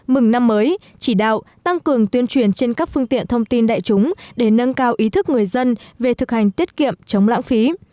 mừng năm mới chỉ đạo tăng cường tuyên truyền trên các phương tiện thông tin đại chúng để nâng cao ý thức người dân về thực hành tiết kiệm chống lãng phí